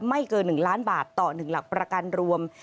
ไม่เกิน๑ล้านบาทต่อ๑หลักประกันรวม